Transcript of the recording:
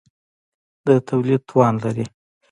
د تولید توان لري.